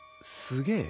すげえ？